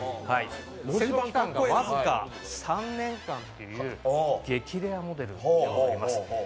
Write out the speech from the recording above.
製造期間が僅か３年間という激レアモデルになっています。